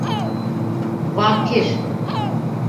Vampir!